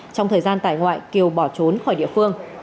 trong thời gian tải ngoại kiều bỏ trốn khỏi địa phương